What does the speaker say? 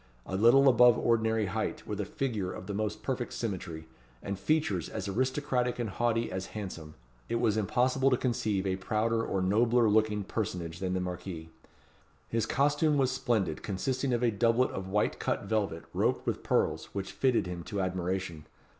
A little above the ordinary height, with a figure of the most perfect symmetry, and features as aristocratic and haughty as handsome, it was impossible to conceive a prouder or a nobler looking personage than the marquis. His costume was splendid, consisting of a doublet of white cut velvet, roped with pearls, which fitted him to admiration.